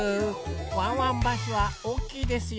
ワンワンバスはおおきいですよ。